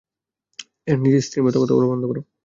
নিজের স্ত্রীর মতো কথা বলা বন্ধ কর।